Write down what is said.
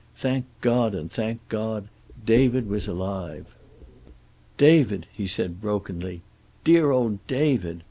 Thank God and thank God, David was alive. "David!" he said brokenly. "Dear old David!"